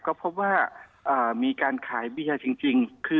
ก็พบว่ามีการขายเบียร์จริง